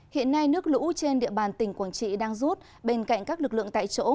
hiện nay nước lũ trên địa bàn tỉnh quảng trị đang rút bên cạnh các lực lượng tại chỗ